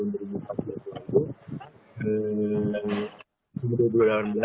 yang pertama itu sudah villa zo able being